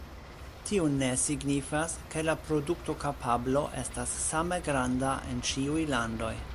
Tio ne signifas, ke la produktokapablo estas same granda en ĉiuj landoj.